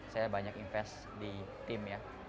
saya banyak invest di tim ya